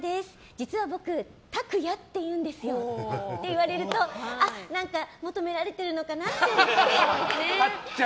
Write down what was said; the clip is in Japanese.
実は僕タクヤっていうんですよって言われるとあ、何か求められてるのかなって思いますね。